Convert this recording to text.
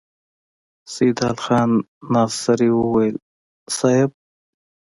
سيدال خان ناصري وويل: صېب!